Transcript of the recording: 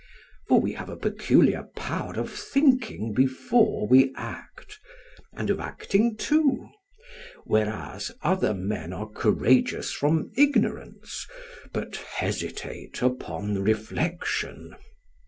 For we have a peculiar power of thinking before we act, and of acting too, whereas other men are courageous from ignorance but hesitate upon reflection.